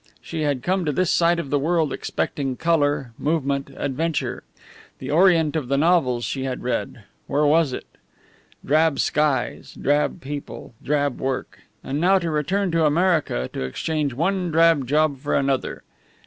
She had come to this side of the world expecting colour, movement, adventure. The Orient of the novels she had read where was it? Drab skies, drab people, drab work! And now to return to America, to exchange one drab job for another!